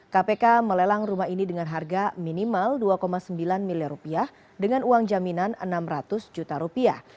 kpk melelang rumah ini dengan harga minimal rp dua sembilan miliar dengan uang jaminan rp enam ratus juta